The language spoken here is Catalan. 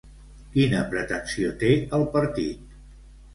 Quina pretensió té el partit?